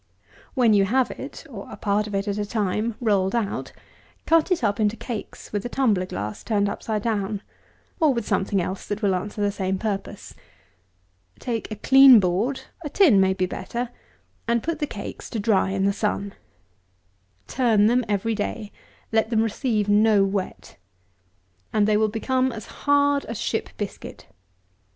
When you have it (or a part of it at a time) rolled out, cut it up into cakes with a tumbler glass turned upside down, or with something else that will answer the same purpose. Take a clean board (a tin may be better) and put the cakes to dry in the sun. Turn them every day; let them receive no wet; and they will become as hard as ship biscuit.